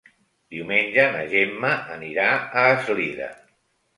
Diumenge na Gemma anirà a Eslida.